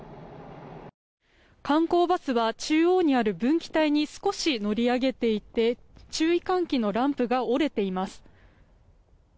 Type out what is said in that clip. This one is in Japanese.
観光バスは中央にある分岐帯に少し乗り上げていて注意喚起のランプが折れています。